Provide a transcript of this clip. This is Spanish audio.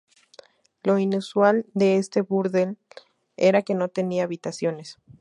Lo inusual de este burdel era que no tenía habitaciones.